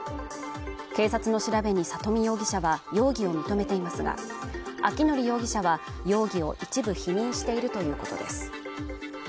警察の調べに佐登美容疑者は容疑を認めていますが明範容疑者は容疑を一部否認しているということです